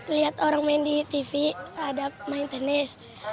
lihat orang main di tv ada main tenis